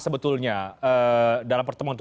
sebetulnya dalam pertemuan itu